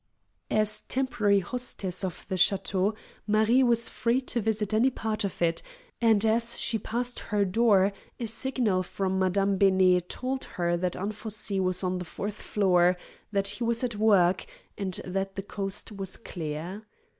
As temporary hostess of the château Marie was free to visit any part of it, and as she passed her door a signal from Madame Benet told her that Anfossi was on the fourth floor, that he was at work, and that the coast was clear.